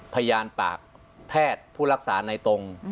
พยานปากแพทย์ผู้รักษาในตรง